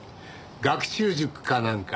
学習塾かなんか。